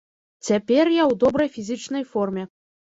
Цяпер я ў добрай фізічнай форме.